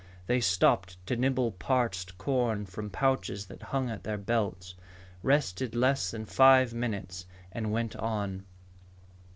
They stopped to nibble parched corn from pouches that hung at their belts, rested less than five minutes, and went on.